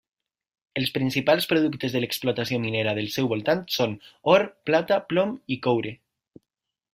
Els principals productes de l'explotació minera del seu voltant són or, plata, plom i coure.